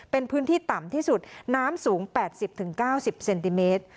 เป็นพื้นที่ต่ำที่สุดน้ำสูงแปดสิบถึงเก้าสิบเซนติเมตร